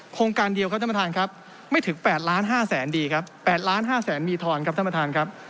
โครงการเดียวครับท่านประธานครับไม่ถึง๘ล้าน๕แสนดีครับ๘ล้าน๕แสนมีทอนครับท่านประธานครับ